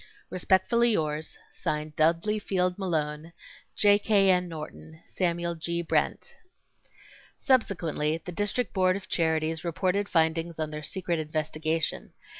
Respectfully yours, (Signed) DUDLEY FIELD MALONE, J. K. N. NORTON, SAMUEL G. BRENT. Subsequently the District Board of Charities reported findings on their secret investigation.